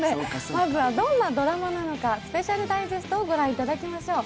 まずはどんなドラマなのかスペシャルダイジェストを御覧いただきましょう。